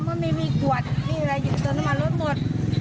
ม้ามันไม่มีกวดมีอะไรอยู่ตรงนั้นมารถหมด